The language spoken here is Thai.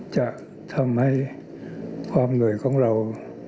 จะทำให้ความเหนื่อยของเรา